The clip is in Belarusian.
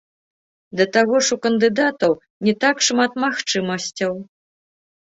Да таго ж у кандыдатаў не так шмат магчымасцяў.